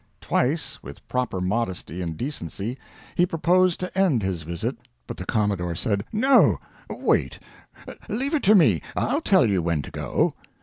Twice, with proper modesty and decency, he proposed to end his visit, but the Commodore said, "No wait; leave it to me; I'll tell you when to go."